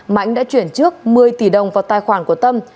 mãnh đã chuyển trước một mươi tỷ đồng vào tài khoản của tâm